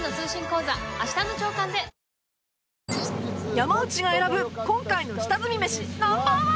山内が選ぶ今回の下積みメシ Ｎｏ．１ は？